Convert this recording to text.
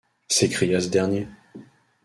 s’écria ce dernier.